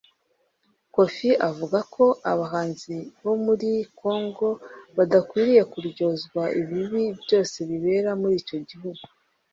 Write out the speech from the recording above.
Koffi avuga ko abahanzi bo muri Congo badakwiriye kuryozwa ibibi byose bibera muri icyo gihugu